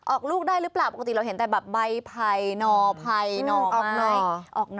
ออกลูกได้รึเปล่าปกติเราเห็นแต่แบบใบไผ่หนอไผ่หนอมากออกหนอ